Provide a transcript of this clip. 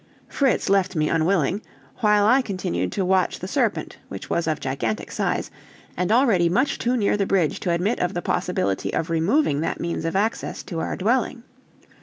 Fritz left me unwilling, while I continued to watch the serpent, which was of gigantic size, and already much too near the bridge to admit of the possibility of removing that means of access to our dwelling.